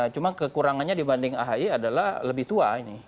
cuma kekurangannya dibanding ahy adalah lebih tua ini